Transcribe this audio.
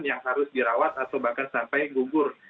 yang harus dirawat atau bahkan sampai gugur